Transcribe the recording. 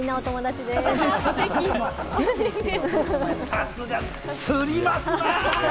さすが釣りますな。